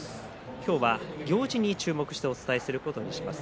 今日は行司に注目してお伝えすることにします。